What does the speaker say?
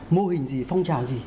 mô hình gì phong trào gì